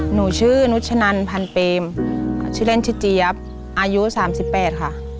หนูชื่อนุชนันพันเปมชื่อเล่นชื่อเจี๊ยบอายุ๓๘ค่ะ